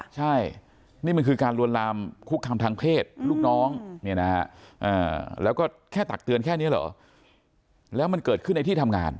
ใช่นี่มันคือการลวนลามคุกคำทางเพศลูกน้องแล้วก็แค่ตักเตือนแค่นี้เหรอแล้วมันเกิดขึ้นในที่ทำงาน